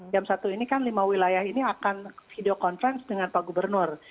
jam satu ini kan lima wilayah ini akan video conference dengan pak gubernur